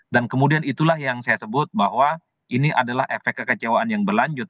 dan kemudian itulah yang saya sebut bahwa ini adalah efek kekecewaan yang berlanjut